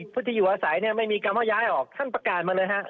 ผู้ที่อยู่อาศัยไม่มีกรรมย้ายออกท่านประกานมาเลยฮะ